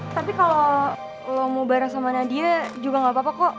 tapi kalau lo mau bareng sama nadia juga gak apa apa kok